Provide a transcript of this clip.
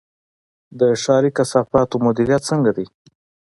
د ښاري کثافاتو مدیریت څنګه دی؟